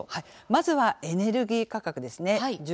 まずはエネルギー価格です。